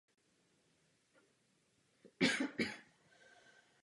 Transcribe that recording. Posléze byzantští vojáci upustili od pronásledování a vrátili se zpět do tábora.